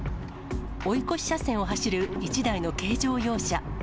追い越し車線を走る１台の軽乗用車。